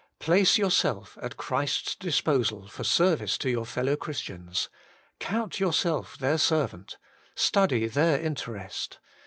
Place yourself at Christ's disposal for service to your fellow Christians. Count yourself their servant. Study their interest.